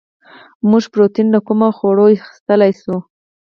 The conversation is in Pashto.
موږ پروټین له کومو خوړو اخیستلی شو